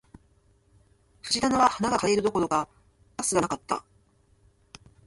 藤棚は花が枯れているどころか、蔓すらなかった